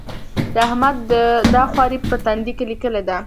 د احمد دا خواري په تندي کې ليکلې ده.